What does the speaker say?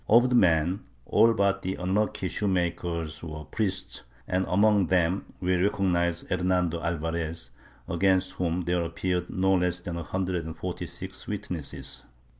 Of the men, all but the unlucky shoe maker were priests, and among them we recognize Hernando Alvarez, against whom there appeared no less than a hundred and forty six witnesses.